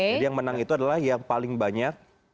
jadi yang menang itu adalah yang paling banyak